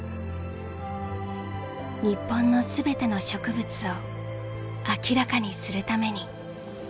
日本の全ての植物を明らかにするために。